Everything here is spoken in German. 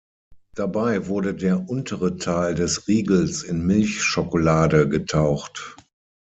Dabei wurde der untere Teil des Riegels in Milchschokolade getaucht.